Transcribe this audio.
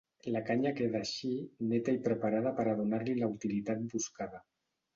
La canya queda així neta i preparada per a donar-li la utilitat buscada.